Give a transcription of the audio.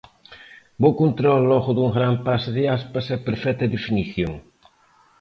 Bo control logo dun gran pase de Aspas, e perfecta definición.